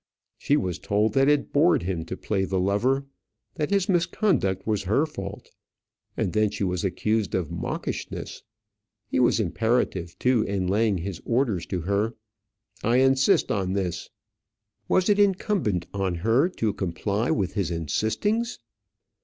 She was told that it bored him to play the lover; that his misconduct was her fault; and then she was accused of mawkishness! He was imperative, too, in laying his orders to her. "I insist on this!" Was it incumbent on her to comply with his insistings?